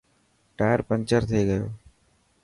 ٽائر پنچر ٿي گيو.